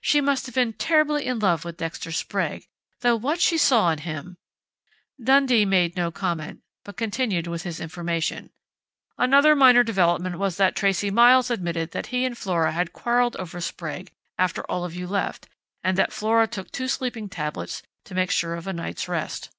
"She must have been terribly in love with Dexter Sprague, though what she saw in him " Dundee made no comment, but continued with his information: "Another minor development was that Tracey Miles admitted that he and Flora had quarreled over Sprague after all of you left, and that Flora took two sleeping tablets to make sure of a night's rest."